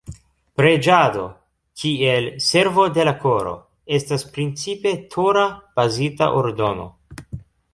Preĝado —kiel "servo de la koro"— estas principe Tora-bazita ordono.